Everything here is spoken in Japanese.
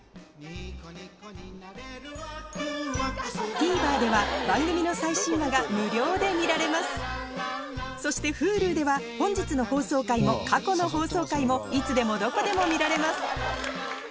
ＴＶｅｒでは番組の最新話が無料で見られますそしてＨｕｌｕでは本日の放送回も過去の放送回もいつでもどこでも見られます